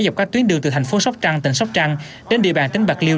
dọc các tuyến đường từ thành phố sóc trăng tỉnh sóc trăng đến địa bàn tỉnh bạc liêu